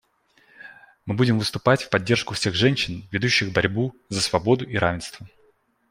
Мы будем выступать в поддержку всех женщин, ведущих борьбу за свободу и равенство.